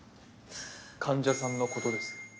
患者さんのことです。